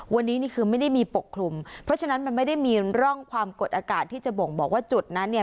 วันนี้นี่คือไม่ได้มีปกคลุมเพราะฉะนั้นมันไม่ได้มีร่องความกดอากาศที่จะบ่งบอกว่าจุดนั้นเนี่ย